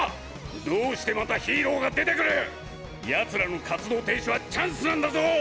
どうしてまたヒーローが出てくる⁉奴らの活動停止はチャンスなんだぞ！